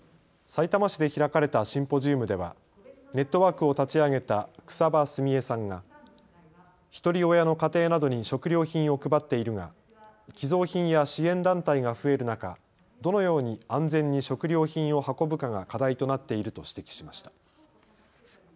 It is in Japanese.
さいたま市で開かれたシンポジウムではネットワークを立ち上げた草場澄江さんがひとり親の家庭などに食料品を配っているが寄贈品や支援団体が増える中、どのように安全に食料品を運ぶかが課題となっていると指摘しました。